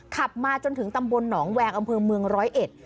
ขับมาจนถึงตำบลหนองแวงอำเภอเมืองร้อยเอ็ด